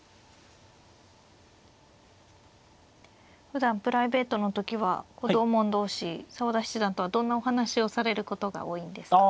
ふだんプライベートの時は同門同士澤田七段とはどんなお話をされることが多いんですか。